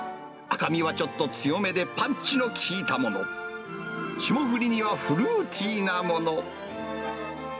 赤身はちょっと強めで、パンチの効いたもの、霜降りにはフルーティーなもの。